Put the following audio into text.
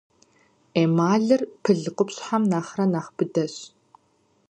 Эмалыр пыл къупщхьэм нэхърэ нэхъ быдэщ.